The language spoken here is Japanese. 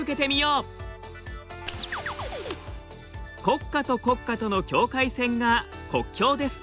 国家と国家との境界線が国境です。